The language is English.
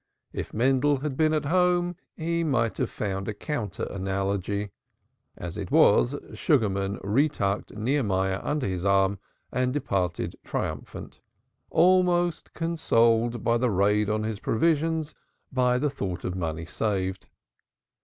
If Mendel had been at home, he might have found a counter analogy. As it was, Sugarman re tucked Nehemiah under his arm and departed triumphant, almost consoled for the raid on his provisions by the thought of money saved.